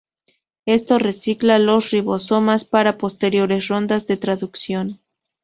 Esto "recicla" los ribosomas para posteriores rondas de traducción.